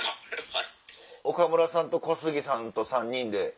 岡村さんと小杉さんと３人で。